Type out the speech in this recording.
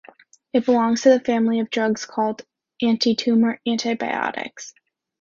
It belongs to the family of drugs called antitumor antibiotics.